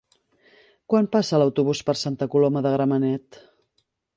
Quan passa l'autobús per Santa Coloma de Gramenet?